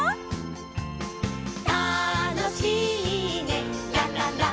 「たのしいねラララン」